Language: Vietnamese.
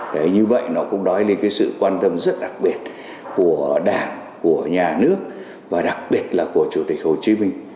đấy như vậy nó cũng nói lên cái sự quan tâm rất đặc biệt của đảng của nhà nước và đặc biệt là của chủ tịch hồ chí minh